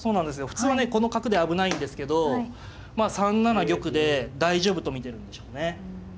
普通はねこの角で危ないんですけどまあ３七玉で大丈夫と見てるんでしょうね。